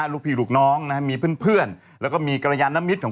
ดีไม่ดีก็คบกันไปก่อน